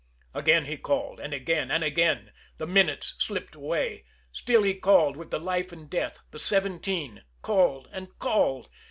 Again he called, and again, and again. The minutes slipped away. Still he called with the life and death the "seventeen" called and called.